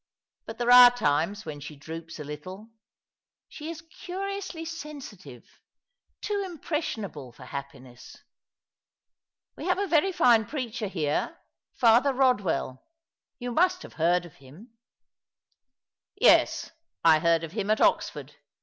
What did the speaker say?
But there are times when she droops a little. She is curiously sensitive — too impression able for happiness. We have a very fine preacher here — Father Eodwell ; you must have heard him." " Yes, I heard of him at Oxford.